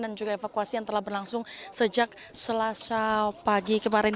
dan juga evakuasi yang telah berlangsung sejak selasa pagi kemarin